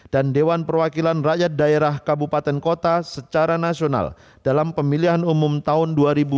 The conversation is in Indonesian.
dan dewan perwakilan rakyat daerah kabupaten kota secara nasional dalam pemilihan umum tahun dua ribu sembilan belas